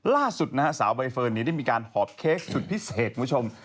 ล่าสุดนะฮะสาวใบเฟิร์นนี้ได้มีการหอบเค้กสุดพิเศษคุณผู้ชม